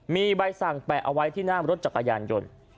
มีใบสั่งแปะเอาไว้ที่หน้ารถจักรยานยนต์